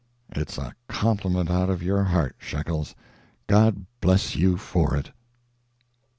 "It's a compliment out of your heart, Shekels. God bless you for it!"